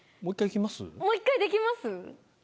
もう１回いきます？